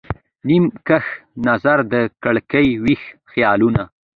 نیم کښ نظر د کړکۍ، ویښ خیالونه